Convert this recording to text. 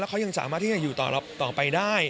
เขายังสามารถที่จะอยู่ต่อไปได้